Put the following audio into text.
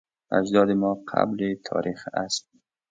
اجداد ماقبل تاریخ اسب